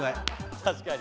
確かに。